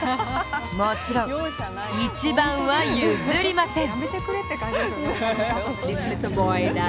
もちろん一番は譲りません。